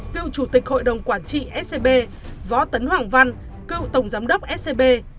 cựu chủ tịch hội đồng quản trị scb võ tấn hoàng văn cựu tổng giám đốc scb